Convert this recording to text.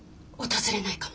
訪れないの。